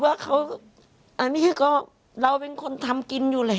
ว่าเขาอันนี้ก็เราเป็นคนทำกินอยู่แหละ